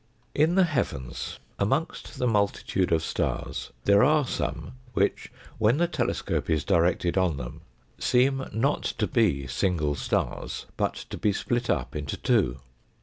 In the heavens, amongst the multitude of stars, there are some which, when the telescope is directed on them, seem not to be single stars, but to be split up into two.